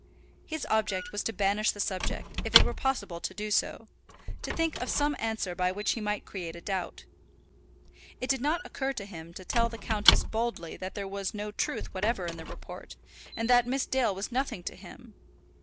His object was to banish the subject, if it were possible to do so; to think of some answer by which he might create a doubt. It did not occur to him to tell the countess boldly that there was no truth whatever in the report, and that Miss Dale was nothing to him.